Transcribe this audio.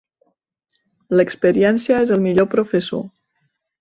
L'experiència és el millor professor.